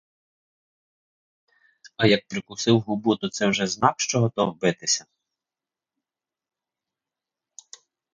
А як прикусив губу, то це вже знак, що готов битися.